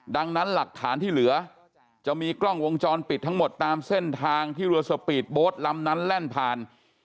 ดังนั้นหลักฐานที่เหลือจะมีกล้องวงจรปิดทั้งหมดตามเส้นทางที่เรือสปีดโบสต์ลำนั้นแล่นผ่าน